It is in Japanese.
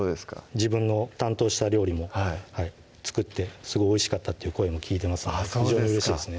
自分の担当した料理も作って「すごいおいしかった」っていう声も聞いてますので非常にうれしいですね